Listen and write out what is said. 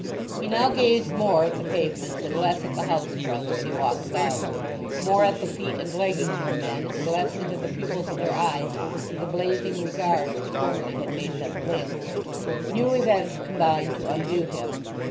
He now gazed more at the pavements and less at the house fronts when he walked about; more at the feet and leggings of men, and less into the pupils of their eyes with the blazing regard which formerly had made them blink. New events combined to undo him.